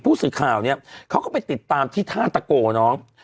ผู้สื่อข่าวเนี่ยเขาก็ไปติดตามที่ท่าตะโกน้อง